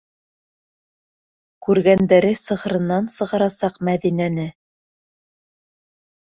Күргәндәре сығырынан сығарасаҡ Мәҙинәне!